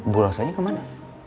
bu rosanya kemana